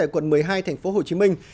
của hai thành phố hồ chí minh